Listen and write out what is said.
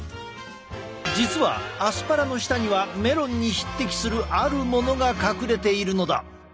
実はアスパラの下にはメロンに匹敵するあるものが隠れているのだ。